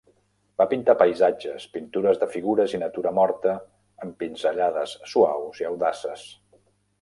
Va pintar paisatges, pintures de figures i natura morta amb pinzellades suaus i audaces.